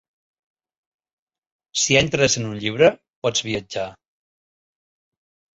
Si entres en un llibre pots viatjar.